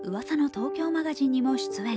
東京マガジン」にも出演。